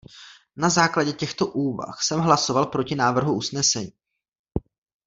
Na základě těchto úvah jsem hlasoval proti návrhu usnesení.